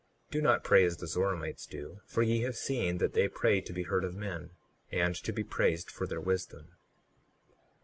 38:13 Do not pray as the Zoramites do, for ye have seen that they pray to be heard of men, and to be praised for their wisdom.